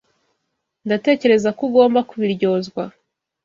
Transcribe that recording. Ndatekereza ko ugomba kubiryozwa.